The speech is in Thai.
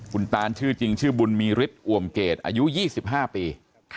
คุณตานชื่อจริงชื่อบุญมีฤทธิอ่วมเกรดอายุ๒๕ปี